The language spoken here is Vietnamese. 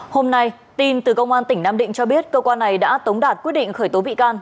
hôm nay tin từ công an tỉnh nam định cho biết cơ quan này đã tống đạt quyết định khởi tố bị can